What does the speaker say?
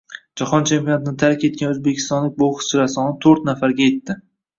Jahon chempionatini tark etgan o‘zbekistonlik bokschilar sonito´rtnafarga yetdi